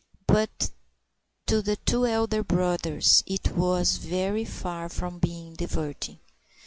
But to the two elder brothers it was very far from being diverting.